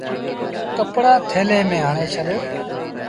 ڪپڙآ ٿيلي ميݩ هڻي ڇڏ۔